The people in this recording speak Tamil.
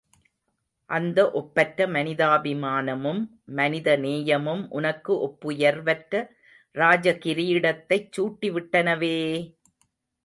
அந்த ஒப்பற்ற மனிதாபிமானமும் மனிதநேயமும் உனக்கு ஒப்புயர்வற்ற ராஜகிரீடத்தைச் சூட்டிவிட்டனவே!..